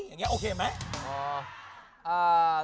อย่างนี้โอเคไหม